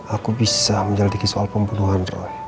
aku bisa menyelidiki soal pembunuhan